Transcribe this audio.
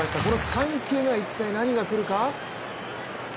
３球目は一体何が来るか？